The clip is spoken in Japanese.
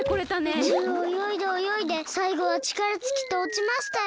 宇宙をおよいでおよいでさいごはちからつきておちましたよ。